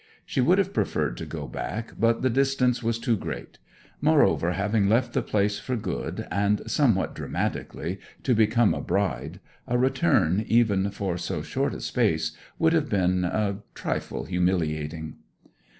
She would have preferred to go back, but the distance was too great; moreover, having left the place for good, and somewhat dramatically, to become a bride, a return, even for so short a space, would have been a trifle humiliating.